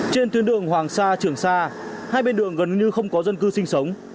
trên tuyến đường hoàng sa trường sa hai bên đường gần như không có dân cư sinh sống